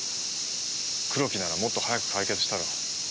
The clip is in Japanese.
黒木ならもっと早く解決したろう。